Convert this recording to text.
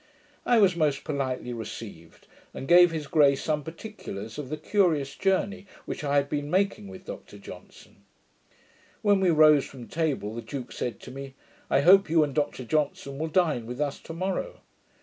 I was most politely received, and gave his grace some particulars of the curious journey which I had been making with Dr Johnson. When we rose from table, the duke said to me, 'I hope you and Dr Johnson will dine with us to morrow.'